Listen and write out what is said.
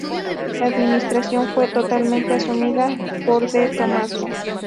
La administración fue totalmente asumida por De Tomaso.